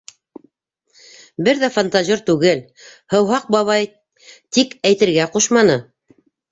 Бер ҙә фантазер түгел! һыуһаҡ бабай тик әйтергә ҡушманы!